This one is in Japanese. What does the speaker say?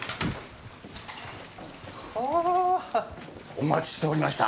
お待ちしておりました。